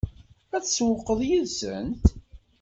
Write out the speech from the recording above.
Ad tsewwqeḍ yid-sent?